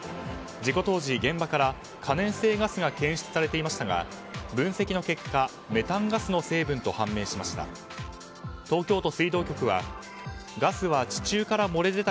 事故当時現場から可燃性ガスが検出されていましたが分析の結果メタンガスの成分であることが分かりました。